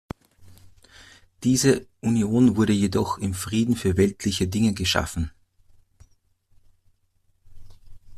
Diese Union wurde jedoch im Frieden für weltliche Dinge geschaffen.